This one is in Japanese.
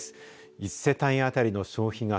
１世帯当たりの消費額